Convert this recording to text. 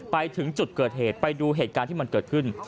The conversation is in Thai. ไปถึงจุดเกิดเหตุไปดูเหตุการณ์ที่มันเกิดขึ้น